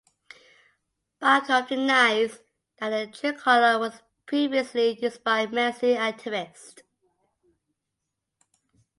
Bakov denies that the tricolor was previously used by Mansi activists.